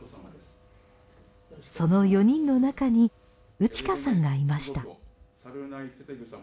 その４人の中にウチカさんがいました。